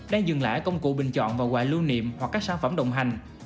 đang dừng lại ở công cụ bình chọn và quả lưu niệm hoặc các sản phẩm đồng hành